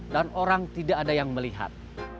dan orang tidak ada yang melihat